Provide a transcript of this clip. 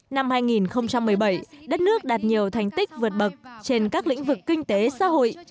năm hai nghìn một mươi bảy đất nước đạt nhiều thành tích vượt bậc trên các lĩnh vực kinh tế xã hội